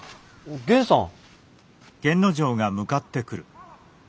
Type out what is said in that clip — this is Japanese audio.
源さん。